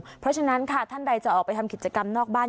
เพราะฉะนั้นค่ะท่านใดจะออกไปทำกิจกรรมนอกบ้าน